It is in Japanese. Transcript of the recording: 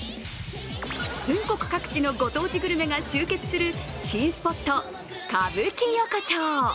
全国各地のご当地グルメが集結する新スポット・歌舞伎横丁。